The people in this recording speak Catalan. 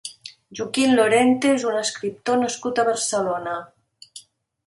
Joaquín Lorente és un escriptor nascut a Barcelona.